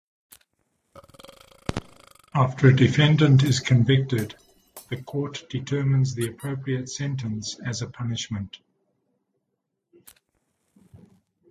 After a defendant is convicted, the court determines the appropriate sentence as a punishment.